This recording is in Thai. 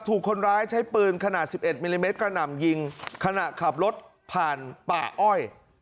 ถูกคนร้ายใช้ปืนขนาด๑๑มิลลิเมตรกระหน่ำยิงขณะขับรถผ่านป่าอ้อย